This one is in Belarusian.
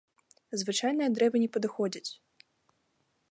Звычайныя дрэвы не падыходзяць.